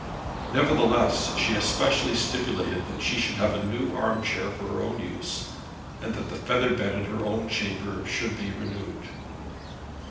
Nevertheless, she especially stipulated that she should have a new arm chair for her own use, and that the feather bed in her own chamber should be renewed.